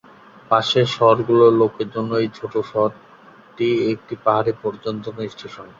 পাশের শহরগুলোর লোকের জন্য এই ছোট শহরটি একটি পাহাড়ি পর্যটন স্টেশন।